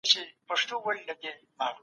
تعلیم د نړيوالي پراختیا اساس دی.